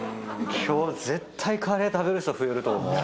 今日絶対カレー食べる人増えると思う。